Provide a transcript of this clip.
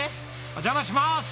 お邪魔します。